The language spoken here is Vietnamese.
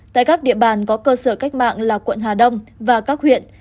tại các địa bàn có cơ sở cách mạng là quận hà đông và các huyện